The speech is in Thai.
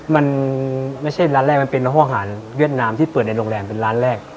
มันไม่ใช่ร้านแรกมันเป็นห้องอาหารเวียดนามที่เปิดในโรงแรมเป็นร้านแรก